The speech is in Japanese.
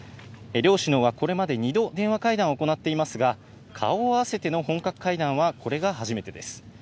両首脳はこれまで２度、電話会談を行っていますが、顔を合わせての本格会談はこれが初めてです。